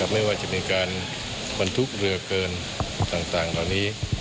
ไม่ว่าจะเป็นการพันทุกข์เรือเกินต่างตอนนี้